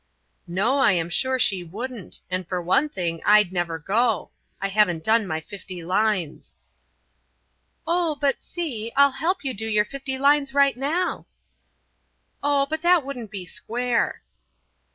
"No, I am sure she wouldn't, and for one thing, I'd never go. I haven't done my fifty lines." "Oh, but see; I'll help you do your fifty lines right now." "Oh, but that wouldn't be square."